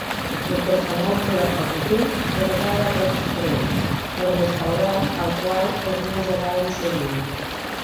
El personatge de Hemphill treballava a Rob's Place, el restaurant al qual els nois anaven sovint.